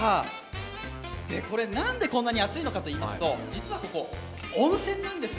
なんでこんなに熱いのかといいますと、実はここ温泉なんです。